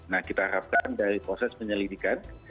nah kita harapkan dari proses penyelidikan